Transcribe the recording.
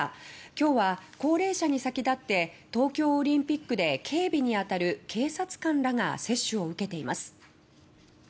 きょうは高齢者に先立って東京オリンピックで警備にあたる警察官らが接種を受けています。